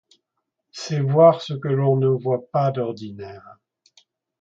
C’est voir ce que l’on ne voit pas d’ordinaire.